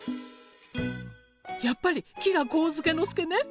やっぱり吉良上野介ね。